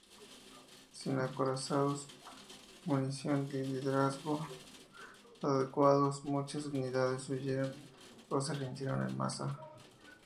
Sin acorazados, munición o liderazgo adecuados, muchas unidades huyeron o se rindieron en masa.